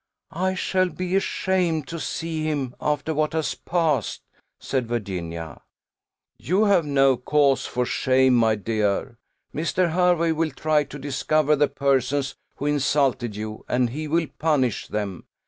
"I shall be ashamed to see him after what has passed," said Virginia. "You have no cause for shame, my dear; Mr. Hervey will try to discover the persons who insulted you, and he will punish them.